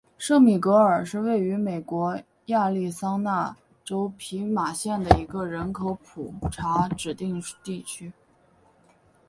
圣米格尔是位于美国亚利桑那州皮马县的一个人口普查指定地区。